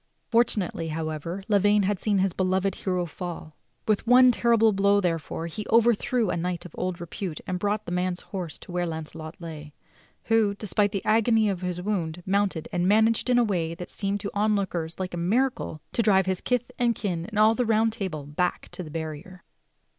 Fortunately, however, Lavaine had seen his beloved hero fall. With one terrible blow, therefore, he overthrew a knight of old repute and brought the man's horse to where Launcelot lay, who, despite the agony of his wound, mounted and managed in a way that seemed to the onlookers like a miracle to drive his kith and kin, and all the Round Table, back to the barrier.